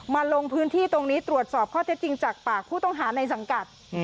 ลงพื้นที่ตรงนี้ตรวจสอบข้อเท็จจริงจากปากผู้ต้องหาในสังกัด